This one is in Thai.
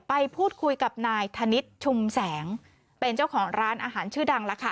ไปพูดคุยกับนายธนิษฐ์ชุมแสงเป็นเจ้าของร้านอาหารชื่อดังล่ะค่ะ